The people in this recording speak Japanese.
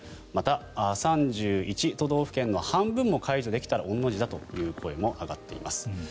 また、３１都道府県の半分も解除できたら御の字だという声も上がっています。